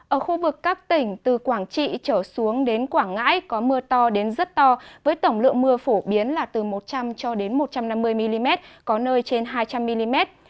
ở khu vực các tỉnh từ quảng trị trở xuống đến quảng ngãi có mưa to đến rất to với tổng lượng mưa phổ biến là từ một trăm linh cho đến một trăm năm mươi mm có nơi trên hai trăm linh mm